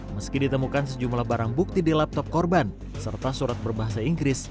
meski ditemukan sejumlah barang bukti di laptop korban serta surat berbahasa inggris